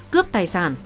cướp tài sản